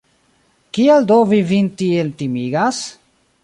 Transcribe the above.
Kial do vi vin tiel timigas?